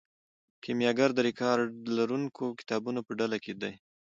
کیمیاګر د ریکارډ لرونکو کتابونو په ډله کې دی.